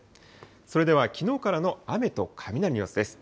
それではきのうからの雨と雷の様子です。